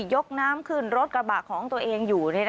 ยกน้ำขึ้นรถกระบะของตัวเองอยู่